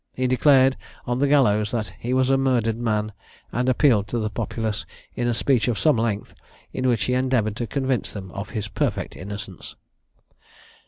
He declared, on the gallows, that he was a murdered man, and appealed to the populace, in a speech of some length, in which he endeavoured to convince them of his perfect innocence.